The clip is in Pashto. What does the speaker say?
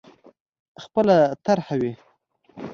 خپله طرح وي.